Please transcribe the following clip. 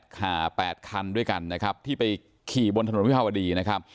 ค่ะ๘คันด้วยกันนะครับที่ไปขี่บนถนนวิภาวดีนะครับ